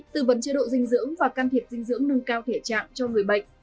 tư vấn chế độ dinh dưỡng và can thiệp dinh dưỡng nâng cao thể trạng cho người bệnh